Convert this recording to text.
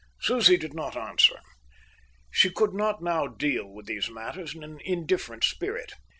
Susie did not answer. She could not now deal with these matters in an indifferent spirit.